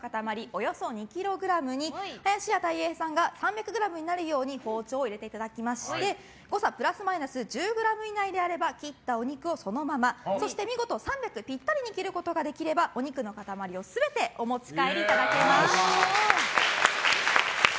およそ２ｋｇに林家たい平さんが３００ｇになるように包丁を入れていただきまして誤差プラスマイナス１０ｇ以内だったら切ったお肉をそのままそして、見事３００ｇピッタリに切ることができればお肉の塊を全てお持ち帰りいただけます。